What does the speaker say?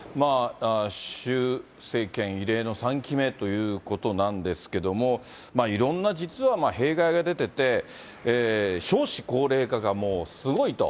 習政権、異例の３期目ということなんですけれども、いろんな、実は弊害が出てて、少子高齢化がすごいと。